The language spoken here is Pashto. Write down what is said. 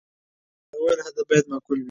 هغه وویل، هدف باید معقول وي.